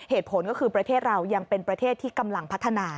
เหตุผลก็คือประเทศเรายังเป็นประเทศที่กำลังพัฒนา